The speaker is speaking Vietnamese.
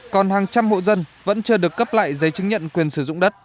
còn hàng trăm hộ dân vẫn chưa được cấp lại giấy chứng nhận quyền sử dụng đất